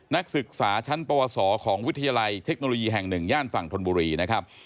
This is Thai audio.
นักศึกษาชั้นปวสอของวิทยาลัยเทคโนโลยีแห่ง๑ย่านฝั่งธนบุรีนะครับ